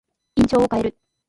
印象を変える。